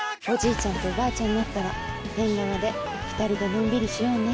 ちゃんとおばあちゃんになったら縁側で２人でのんびりしようね。